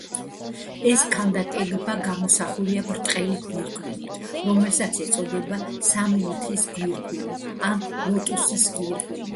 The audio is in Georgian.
ეს ქანდაკება გამოსახულია ბრტყელი გვირგვინით, რომელსაც ეწოდება „სამი მთის გვირგვინი“ ან „ლოტუსის გვირგვინი“.